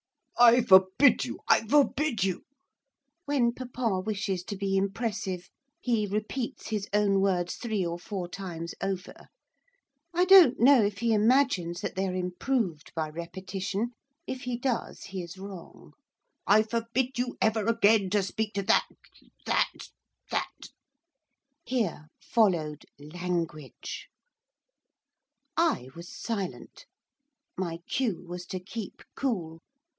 'I forbid you I forbid you ' when papa wishes to be impressive he repeats his own words three or four times over; I don't know if he imagines that they are improved by repetition; if he does, he is wrong 'I forbid you ever again to speak to that that that ' Here followed language. I was silent. My cue was to keep cool.